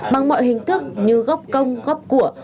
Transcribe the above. bằng mọi hình thức như gốc công gốc của